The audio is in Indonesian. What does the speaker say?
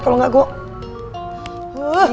kalau nggak gue